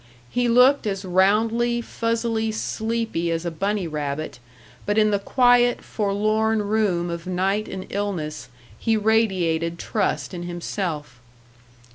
He looked as roundly, fuzzily sleepy as a bunny rabbit, but in the quiet, forlorn room of night and illness he radiated trust in himself.